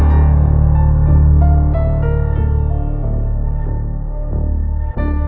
saya sudah sedih